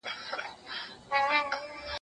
چي پيشو مخي ته راغله برابره